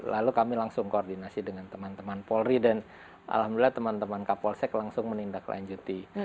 lalu kami langsung koordinasi dengan teman teman polri dan alhamdulillah teman teman kapolsek langsung menindaklanjuti